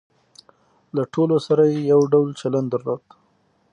له ټولو سره یې یو ډول چلن درلود.